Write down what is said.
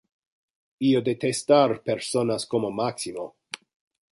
Io detestar personas como Maximo.